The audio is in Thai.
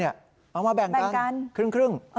เอามาแบ่งกันครึ่ง